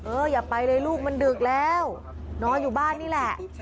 อย่าไปเลยลูกมันดึกแล้วนอนอยู่บ้านนี่แหละ